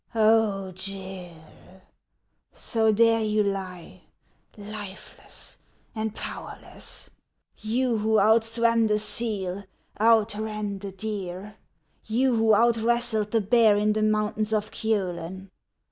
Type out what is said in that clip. Oli, Gill ! so there you lie, lifeless and powerless, — you who outswam the seal, outran the deer; you who outwrestled the bear in the mountains of Kioleu.